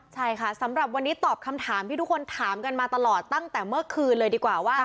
ใช่ค่ะสำหรับวันนี้ตอบคำถามที่ทุกคนถามกันมาตลอดตั้งแต่เมื่อคืนเลยดีกว่าว่า